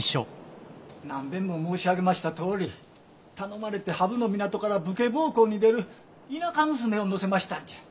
何べんも申し上げましたとおり頼まれて土生の港から武家奉公に出る田舎娘を乗せましたんじゃ。